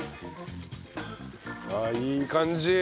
あっいい感じ！